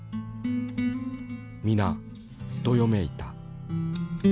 皆どよめいた。